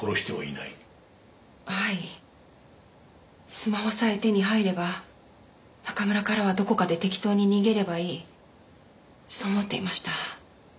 スマホさえ手に入れば中村からはどこかで適当に逃げればいいそう思っていました。